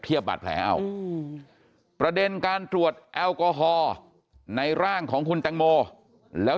บาดแผลเอาประเด็นการตรวจแอลกอฮอล์ในร่างของคุณแตงโมแล้ว